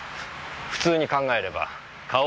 普通に考えれば顔を隠すため。